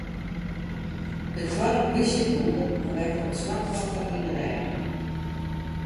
De twadde polysjekûgel rekke it slachtoffer yn 'e rêch.